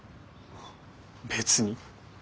別に。